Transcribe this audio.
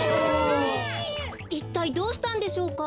いったいどうしたんでしょうか？